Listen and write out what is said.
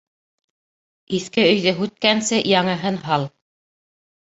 Иҫке өйҙө һүткәнсе, яңыһын һал.